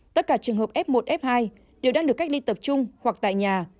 tất cả trường hợp f một f hai đều đang được cách ly tập trung hoặc tại nhà